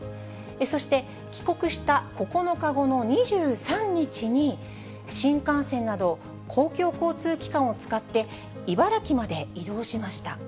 そして帰国した９日後の２３日に、新幹線など公共交通機関を使って、茨城まで移動しました。